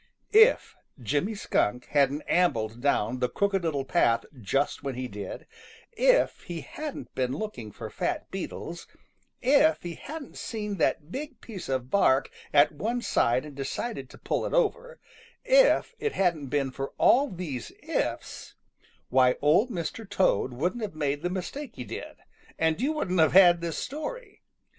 If Jimmy Skunk hadn't ambled down the Crooked Little Path just when he did; if he hadn't been looking for fat beetles; if he hadn't seen that big piece of bark at one side and decided to pull it over; if it hadn't been for all these "ifs," why Old Mr. Toad wouldn't have made the mistake he did, and you wouldn't have had this story.